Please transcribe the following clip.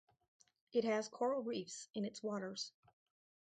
It has coral reefs in its waters.